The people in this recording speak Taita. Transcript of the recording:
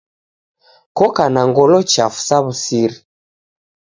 Koka na ngolo hafu sa wu'siri